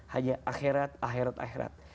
hanya akhirat akhirat akhirat